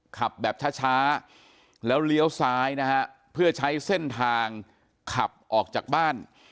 ขับแบบช้าแล้วเลี้ยวซ้ายนะฮะเพื่อใช้เส้นทางขับออกจากบ้าน